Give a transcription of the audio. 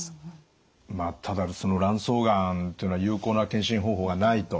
ただ卵巣がんというのは有効な検診方法がないと。